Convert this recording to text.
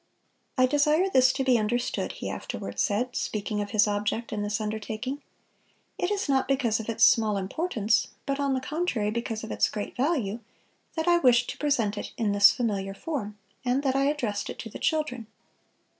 "I desire this to be understood," he afterward said, speaking of his object in this undertaking, "it is not because of its small importance, but on the contrary because of its great value, that I wished to present it in this familiar form, and that I addressed it to the children.